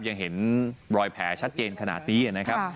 ยังเห็นรอยแผลชัดเจนขนาดนี้นะครับ